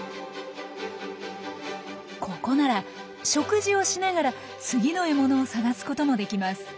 ここなら食事をしながら次の獲物を探すこともできます。